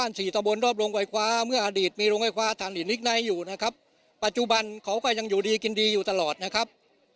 มีโรงไฟฟ้าธานีนิกไนท์อยู่นะครับปัจจุบันเขาก็ยังอยู่ดีกินดีอยู่ตลอดนะครับ